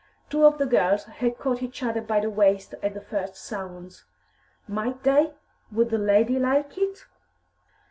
Two of the girls had caught each other by the waist at the first sounds. Might they? Would "the lady" like it?